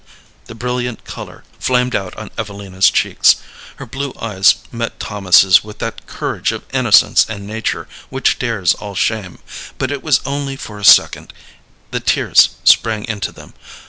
The brilliant color flamed out on Evelina's cheeks. Her blue eyes met Thomas's with that courage of innocence and nature which dares all shame. But it was only for a second; the tears sprang into them.